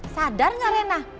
sadar gak rena